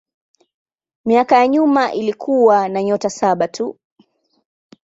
Miaka ya nyuma ilikuwa na nyota saba tu.